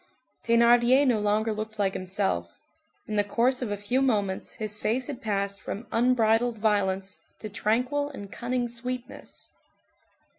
Thénardier no longer looked like himself; in the course of a few moments his face had passed from unbridled violence to tranquil and cunning sweetness.